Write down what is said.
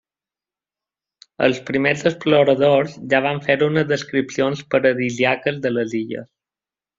Els primers exploradors ja van fer unes descripcions paradisíaques de les illes.